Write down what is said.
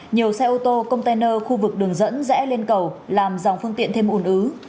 nhiều xe ô tô container khu vực đường dẫn rẽ lên cầu làm dòng phương tiện thêm ủn ứ